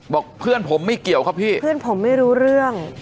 บอกเพื่อนผมไม่เกี่ยวครับพี่เพื่อนผมไม่รู้เรื่อง